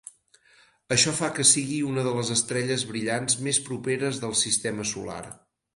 Això fa que sigui una de les estrelles brillants més properes del sistema solar.